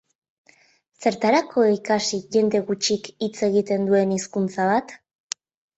Zertarako ikasi jende gutxik hitz egiten duen hizkuntza bat?